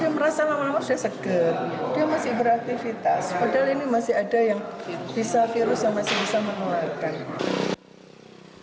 dia merasa lama lama sudah seger dia masih beraktivitas padahal ini masih ada yang bisa virus yang masih bisa menularkan